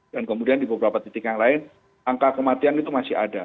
dan kemudian di beberapa titik yang lain angka kematian itu masih ada